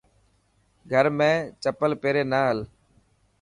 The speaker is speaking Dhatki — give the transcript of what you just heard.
گھر ۾ چپل پيري نا هل.